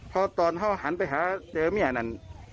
พอตอนเขาหันไปหาเจอแม่นั่น